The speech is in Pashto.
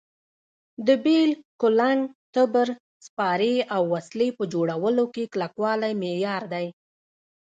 د بېل، کولنګ، تبر، سپارې او وسلې په جوړولو کې کلکوالی معیار دی.